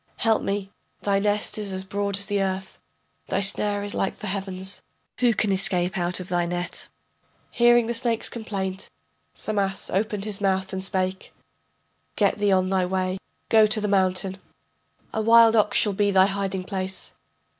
Help me, thy nest is as broad as the earth, Thy snare is like the heavens, Who can escape out of thy net? Hearing the snake's complaint, Samas opened his mouth and spake: Get thee on thy way, go to the mountain. A wild ox shall be thy hiding place.